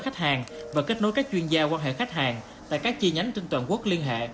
khách hàng và kết nối các chuyên gia quan hệ khách hàng tại các chi nhánh trên toàn quốc liên hệ